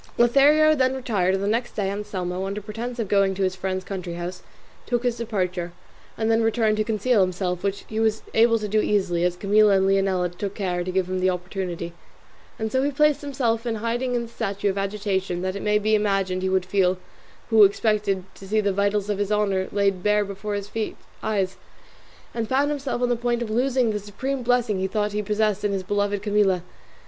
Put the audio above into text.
Lothario then retired, and the next day Anselmo, under pretence of going to his friend's country house, took his departure, and then returned to conceal himself, which he was able to do easily, as Camilla and Leonela took care to give him the opportunity; and so he placed himself in hiding in the state of agitation that it may be imagined he would feel who expected to see the vitals of his honour laid bare before his eyes, and found himself on the point of losing the supreme blessing he thought he possessed in his beloved Camilla.